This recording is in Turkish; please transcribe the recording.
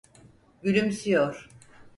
Gülümsüyor.